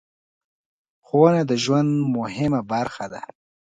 ښوونه د ژوند مهمه برخه ده.